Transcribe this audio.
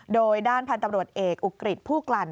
โดยด้านพันธุ์ตำรวจเอกอุกฤษผู้กลั่น